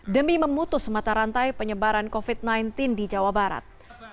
demi memutus mata rantai penyebaran covid sembilan belas di jawa barat